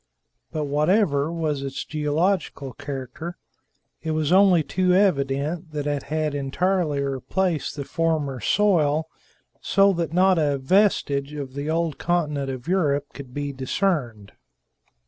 But whatever was its geological character, it was only too evident that it had entirely replaced the former soil, so that not a vestige of the old continent of Europe could be discerned.